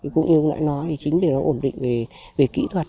cũng như ngãi nói thì chính vì nó ổn định về kỹ thuật